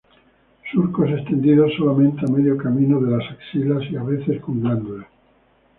Surcos extendidos solamente a medio camino de las axilas, a veces con glándulas.